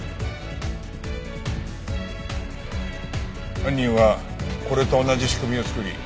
犯人はこれと同じ仕組みを作り